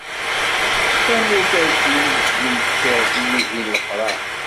D tamurt-aki I deg i d nekker, i yugin leqrar.